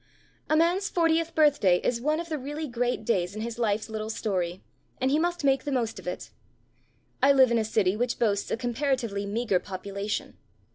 A man's fortieth birthday is one of the really great days in his life's little story; and he must make the most of it. I live in a city which boasts a comparatively meagre population.